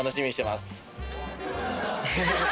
アハハハ。